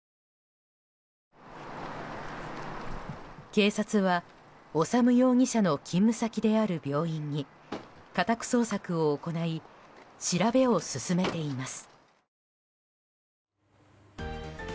警察は修容疑者の勤務先である病院に、家宅捜索を行い調べを進めています。